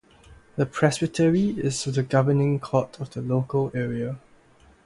The Presbytery is the governing court of the local area.